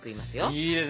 いいですね。